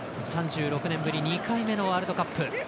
３６年ぶり２回目のワールドカップ。